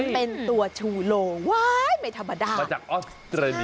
เป็นตัวชูโลว้ายไม่ธรรมดามาจากออสเตรเลีย